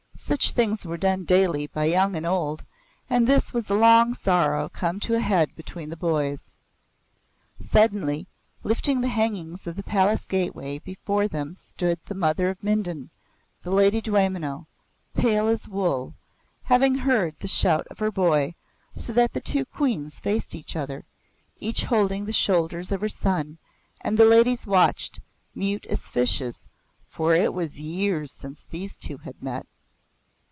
Such things were done daily by young and old, and this was a long sorrow come to a head between the boys. Suddenly, lifting the hangings of the palace gateway, before them stood the mother of Mindon, the Lady Dwaymenau, pale as wool, having heard the shout of her boy, so that the two Queens faced each other, each holding the shoulders of her son, and the ladies watched, mute as fishes, for it was years since these two had met.